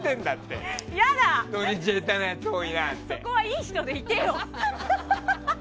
そこはいい人でいてよ！